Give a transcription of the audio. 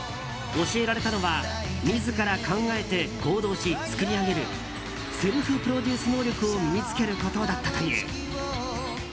教えられたのは自ら考えて行動し、作り上げるセルフプロデュース能力を身に着けることだったという。